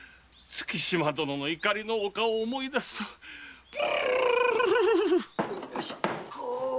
月島殿の怒りのお顔を思い出すとブルル！